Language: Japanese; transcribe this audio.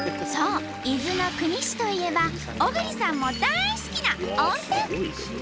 そう伊豆の国市といえば小栗さんも大好きな温泉！